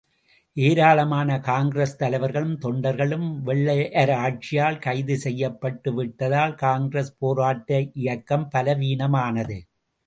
ஏராளமான காங்கிரஸ் தலைவர்களும், தொண்டர்களும் வெள்ளையராட்சியால் கைது செய்யப்பட்டு விட்டதல், காங்கிரஸ் போராட்ட இயக்கம் பலவீனமானது.